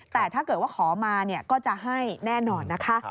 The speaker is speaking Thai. แต่ถ้าเกิดว่าขอมาก็จะให้แน่นอนนะคะ